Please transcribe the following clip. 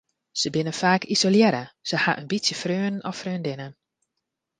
Se binne faak isolearre, se ha in bytsje freonen of freondinnen.